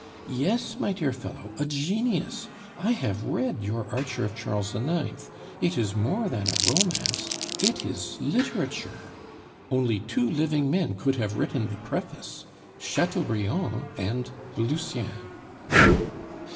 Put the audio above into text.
"Yes, my dear fellow, a genius. I have read your Archer of Charles IX.; it is more than a romance, it is literature. Only two living men could have written the preface Chateaubriand and Lucien."